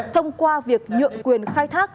thông qua việc nhượng quyền khai thác